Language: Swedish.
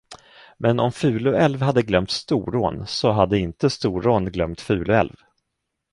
Men om Fuluälv hade glömt Storån, så hade inte Storån glömt Fuluälv.